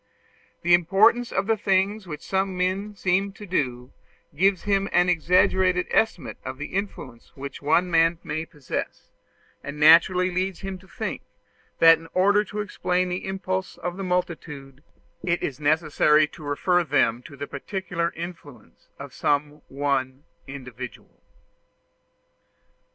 The importance of the things which some men are seen to do, gives him an exaggerated estimate of the influence which one man may possess; and naturally leads him to think, that in order to explain the impulses of the multitude, it is necessary to refer them to the particular influence of some one individual.